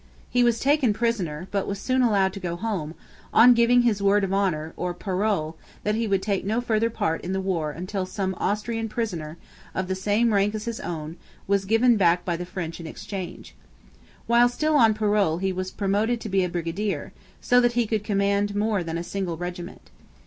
He was taken prisoner; but was soon allowed to go home, on giving his word of honour, or 'parole,' that he would take no further part in the war until some Austrian prisoner, of the same rank as his own, was given back by the French in exchange. While still on parole he was promoted to be a brigadier, so that he could command more than a single regiment.